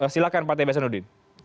silakan pak tbi saduri